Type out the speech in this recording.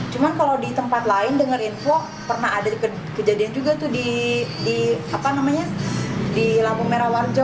cuman kalau di tempat lain denger info pernah ada kejadian juga tuh di apa namanya di lampung merah warjo